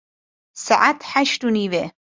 Saet heşt û nîv e.